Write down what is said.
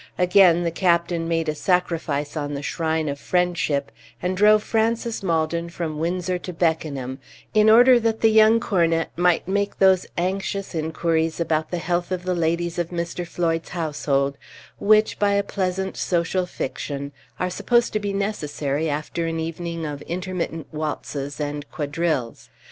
Again the captain made a sacrifice on the shrine of friendship, and drove Francis Maldon from Windsor to Beckenham, in order that the young cornet might make those anxious inquiries about the health of the ladies of Mr. Floyd's household, which, by a pleasant social fiction, are supposed to be necessary after an evening of intermittent waltzes and quadrilles.